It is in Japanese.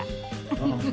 ウフフフ。